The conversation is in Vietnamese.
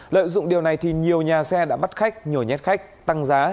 lợi dụng điều này thì nhiều nhà xe đã bắt khách nhồi nhét khách tăng giá